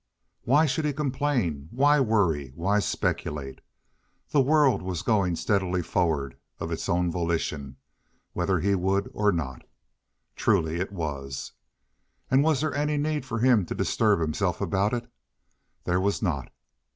Why should he complain, why worry, why speculate?—the world was going steadily forward of its own volition, whether he would or no. Truly it was. And was there any need for him to disturb himself about it? There was not.